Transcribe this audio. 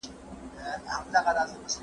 د بدن نښې باید واورېدل شي.